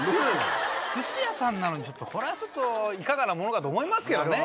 寿司屋さんなのにこれはちょっといかがなものかと思いますけどね。